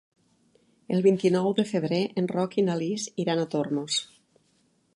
El vint-i-nou de febrer en Roc i na Lis iran a Tormos.